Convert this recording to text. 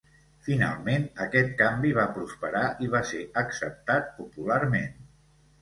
Finalment aquest canvi va prosperar i va ser acceptat popularment.